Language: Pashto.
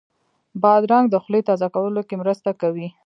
بادرنګ د خولې تازه کولو کې مرسته کوي.